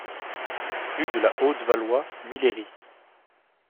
Rue de la Haute-Valois, Millery